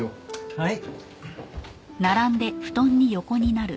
はい。